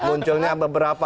mungkin munculnya beberapa